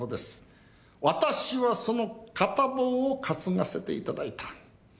私はその片棒を担がせて頂いた。